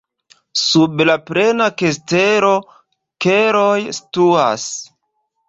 Sub la plena kastelo keloj situas.